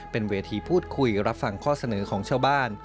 เป็นเวทีพูดคุยรับฟังข้อเสนอของชาวบ้าน